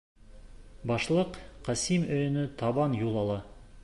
Башлыҡ Ҡасим өйөнә табан юл ала.